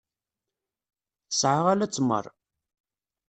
Tesɛa ala tmeṛ.